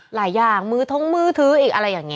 หลายอย่างมือท้งมือถืออีกอะไรอย่างนี้